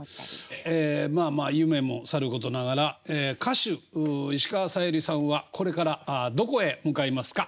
まあまあ夢もさることながら歌手石川さゆりさんはこれからどこへ向かいますか？